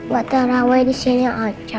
buat taraweh di sini aja